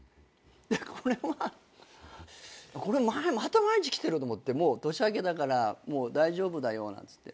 でこれはこれまた毎日来てると思ってもう年明けたからもう大丈夫だよなんつって。